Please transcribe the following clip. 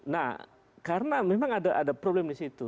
nah karena memang ada problem disitu